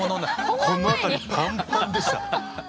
この辺りパンパンでした。ね。